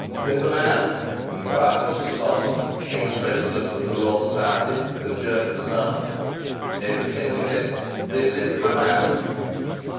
"This the man?" inquired Mr. Slosson, ex president of the Law Society, with a jerk of the thumb. Edward Henry said, "This is the man."